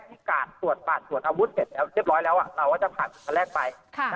ที่การสวดฝั่งสวดอาวุธเสร็จด้วยเรียบร้อยแล้วเราจะผัดทุกท่าแรกไป